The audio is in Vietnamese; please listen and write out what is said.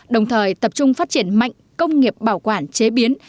đồng thời tập trung phát triển mạnh công nghiệp bảo quản chế biến